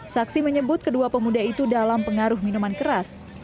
saksi menyebut kedua pemuda itu dalam pengaruh minuman keras